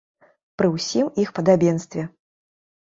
Пры ўсім іх падабенстве.